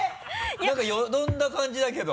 何かよどんだ感じだけど。